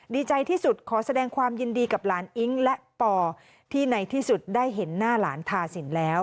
ดีใจที่สุดขอแสดงความยินดีกับหลานอิ๊งและป่อที่ในที่สุดได้เห็นหน้าหลานทาสินแล้ว